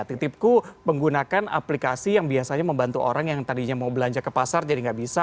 titipku menggunakan aplikasi yang biasanya membantu orang yang tadinya mau belanja ke pasar jadi nggak bisa